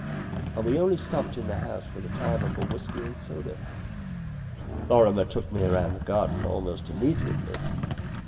But we only stopped in the house for the time of a whisky and soda. Lorrimer took me round the garden almost immediately.